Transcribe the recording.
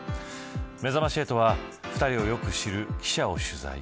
めざまし８は２人をよく知る記者を取材。